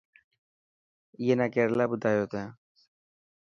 اي نا ڪير يلا ٻڌايو تين.